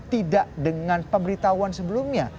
tidak dengan pemberitahuan sebelumnya